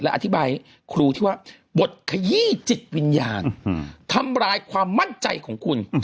อธิบายครูที่ว่าบทขยี้จิตวิญญาณทำร้ายความมั่นใจของคุณ